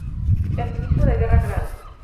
El Ministro de Guerra Gral.